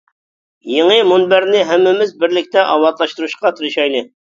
يېڭى مۇنبەرنى ھەممىمىز بىرلىكتە ئاۋاتلاشتۇرۇشقا تىرىشايلى.